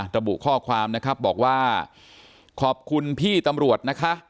ระบุข้อความบอกว่าขอบคุณพี่ตำรวจ